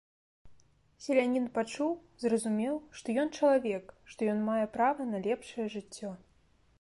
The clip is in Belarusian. Селянін пачуў, зразумеў, што ён чалавек, што ён мае права на лепшае жыццё.